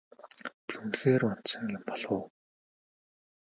Би үнэхээр унтсан юм болов уу?